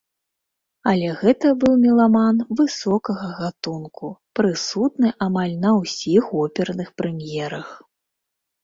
Але гэта быў меламан высокага гатунку, прысутны амаль на ўсіх оперных прэм'ерах.